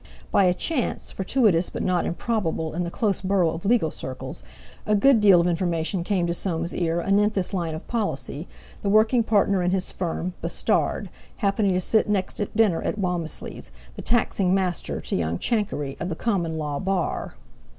By a chance, fortuitous but not improbable in the close borough of legal circles, a good deal of information came to Soames's ear anent this line of policy, the working partner in his firm, Bustard, happening to sit next at dinner at Walmisley's, the Taxing Master, to young Chankery, of the Common Law Bar.